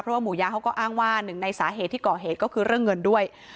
เพราะว่าหมูยาเขาก็อ้างว่าหนึ่งในสาเหตุที่ก่อเหตุก็คือเรื่องเงินด้วย